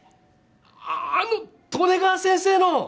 あああの利根川先生の！